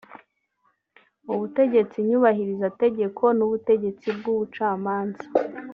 Ubutegetsi Nyubahirizategeko n’Ubutegetsi bw’Ubucamanza